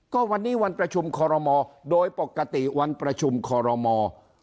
ก็วันนี้วันประชุมคอรมอโดยปกติวันประชุมคอรมอล์